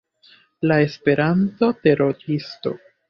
La Esperanto-teroristo